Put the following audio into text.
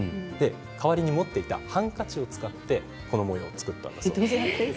代わりに持っていたハンカチを使って、この模様を作ったそうです。